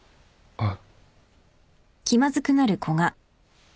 あっ。